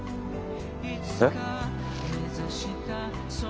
えっ？